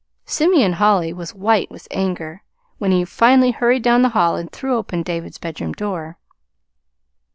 Simeon Holly was white with anger when he finally hurried down the hall and threw open David's bedroom door.